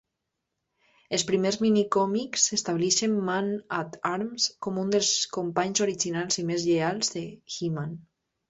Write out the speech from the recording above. Els primers minicòmics estableixen Man-At-Arms com un dels companys originals i més lleials de He-Man.